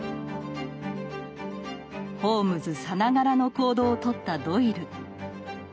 ホームズさながらの行動をとったドイル。